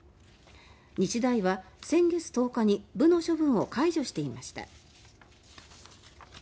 日大は先月１０日に部の処分を解除していました。